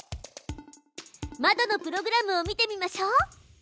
まどのプログラムを見てみましょう！